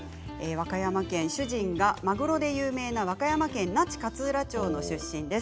和歌山県、主人がマグロで有名な和歌山県那智勝浦町の出身です。